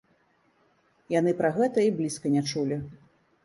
Яны пра гэта і блізка не чулі.